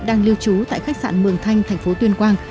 đang lưu trú tại khách sạn mường thanh tp tuyên quang